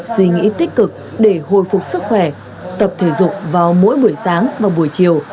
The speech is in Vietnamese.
suy nghĩ tích cực để hồi phục sức khỏe tập thể dục vào mỗi buổi sáng và buổi chiều